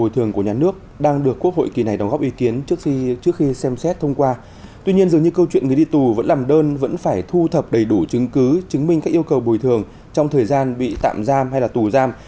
tuy nhiên dường như câu chuyện người đi tù vẫn làm đơn vẫn phải thu thập đầy đủ chứng cứ chứng minh các yêu cầu bồi thường trong thời gian bị tạm giam hay là tù giam